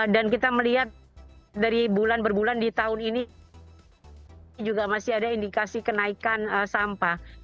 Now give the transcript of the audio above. dan kita melihat dari bulan berbulan di tahun ini juga masih ada indikasi kenaikan sampah